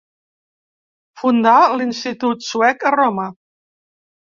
Fundà l'Institut Suec a Roma.